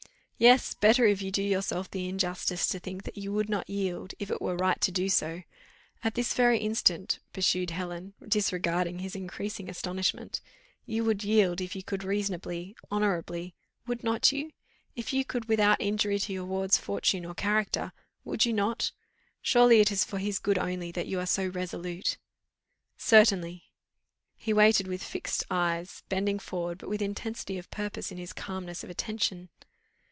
"Yes, better, if you do yourself the injustice to think that you would not yield, if it were right to do so. At this very instant," pursued Helen, disregarding his increasing astonishment, "you would yield if you could reasonably, honourably would not you? If you could without injury to your ward's fortune or character, would you not? Surely it is for his good only that you are so resolute?" "Certainly!" He waited with eyes fixed, bending forward, but with intensity of purpose in his calmness of attention.